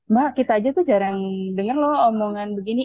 mbak kita aja tuh jarang denger loh omongan begini